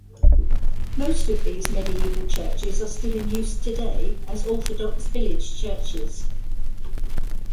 Most of these mediaeval churches are still in use today as Orthodox village churches.